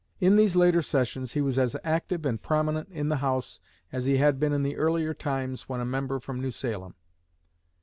In these later sessions he was as active and prominent in the House as he had been in the earlier times when a member from New Salem.